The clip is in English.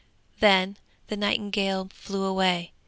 Then the nightingale flew away.